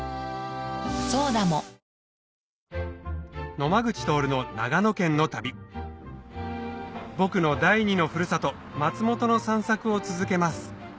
野間口徹の長野県の旅僕の第二のふるさと松本の散策を続けます